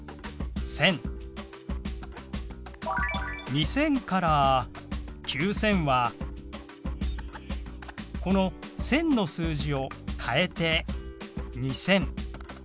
２０００から９０００はこの「１０００」の数字を変えて２０００。